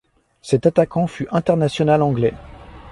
Cet attaquant fut international anglais.